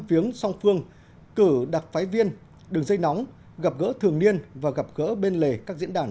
viếng song phương cử đặc phái viên đường dây nóng gặp gỡ thường niên và gặp gỡ bên lề các diễn đàn